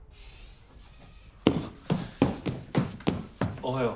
おはよう。